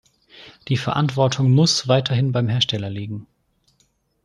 Die Verantwortung muss weiterhin beim Hersteller liegen.